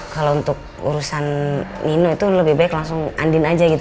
kalau untuk urusan nino itu lebih baik langsung andin aja gitu